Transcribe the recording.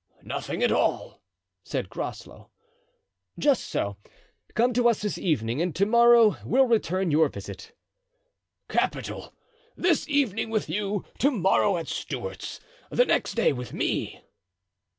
"Nothing at all," said Groslow. "Just so. Come to us this evening and to morrow we'll return your visit." "Capital! This evening with you, to morrow at Stuart's, the next day with me."